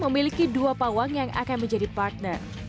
memiliki dua pawang yang akan menjadi partner